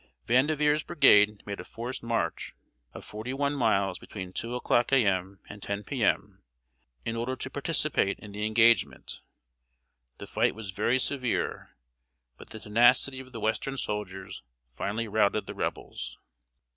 Vandeveer's brigade made a forced march of forty one miles between 2 o'clock A. M., and 10 P. M., in order to participate in the engagement. The fight was very severe, but the tenacity of the western soldiers finally routed the Rebels.